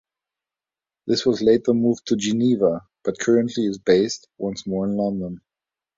This was later moved to Geneva, but currently is based once more in London.